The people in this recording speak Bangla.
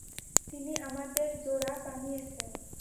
তিনি আমাদের জোড়া বানিয়েছেন।